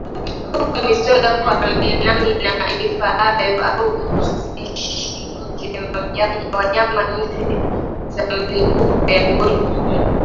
Tupa mizoga kwa namna inayofaa au usichinje wanyama nyakati za mlipuko wa ugonjwa huu